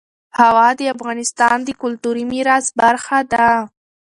هوا د افغانستان د کلتوري میراث برخه ده.